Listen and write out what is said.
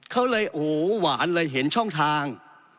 เขาเลยโอ้โหหวานเลยเห็นช่องทาง